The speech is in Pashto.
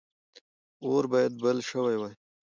اور باید بل شوی وای.